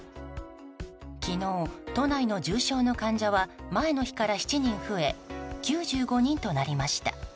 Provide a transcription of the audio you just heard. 昨日、都内の重症の患者は前の日から７人増え９５人となりました。